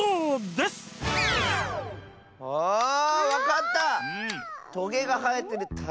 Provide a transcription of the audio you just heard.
あわかった！